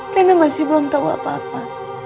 reina masih belum tau apa apa